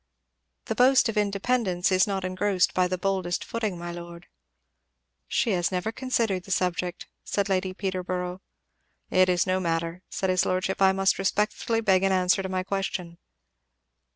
"The boast of independence is not engrossed by the boldest footing, my lord." "She has never considered the subject," said Lady Peterborough. "It is no matter," said his lordship. "I must respectfully beg an answer to my question."